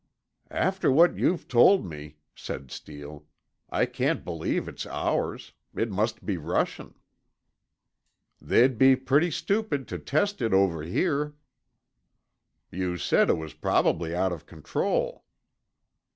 "After what you've told me," said Steele, "I can't believe it's ours. It must be Russian." "They'd be pretty stupid to test it over here." "You said it was probably out of control."